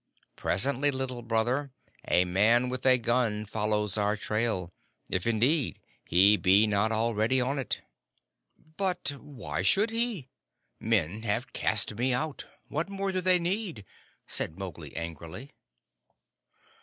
Presently, Little Brother, a man with a gun follows our trail if, indeed, he be not already on it." "But why should he? Men have cast me out. What more do they need?" said Mowgli, angrily.